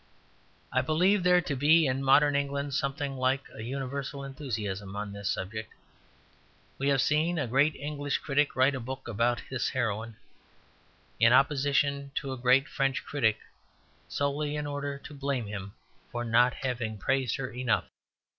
I believe there to be in modern England something like a universal enthusiasm on this subject. We have seen a great English critic write a book about this heroine, in opposition to a great French critic, solely in order to blame him for not having praised her enough.